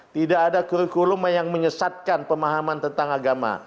tidak ada kurikulum yang menyesatkan pemahaman tentang agama